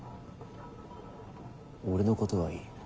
俺のことはいい。